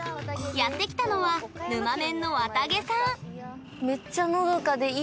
やってきたのはぬまメンのわたげさん。